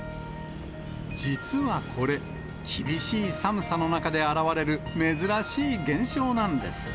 実はこれ、厳しい寒さの中で現れる珍しい現象なんです。